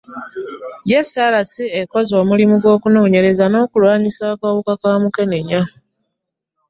JCRC ekoze omulimu mu kunoonyereza n'okulwanyisa akawuka ka Mukenenya